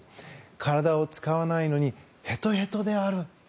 体を使わないのにへとへとである。